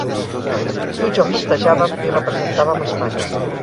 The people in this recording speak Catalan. Tu i jo festejàvem i representàvem a Espanya.